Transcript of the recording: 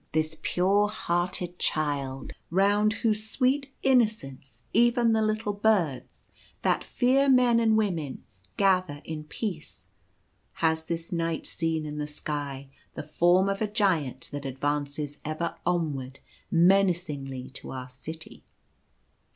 This pure hearted child, round whose sweet innocence even the little birds that fear men and women gather in peace, has this night seen in the sky the form of a Giant that advances ever onward menacingly to our city.